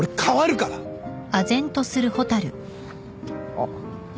あっ。